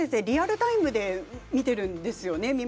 リアルタイムで見てるんですよね。